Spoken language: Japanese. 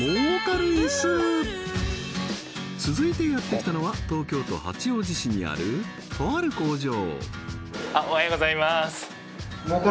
続いてやってきたのは東京都八王子市にあるとある工場おはようございます